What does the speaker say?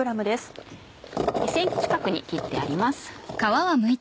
２ｃｍ角に切ってあります。